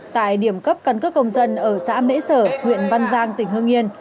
tại điểm cấp căn cước công dân ở xã mễ sở huyện văn giang tỉnh hương yên